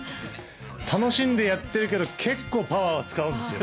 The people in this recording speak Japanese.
楽しんでやってるけど、結構パワーは使うんですよ。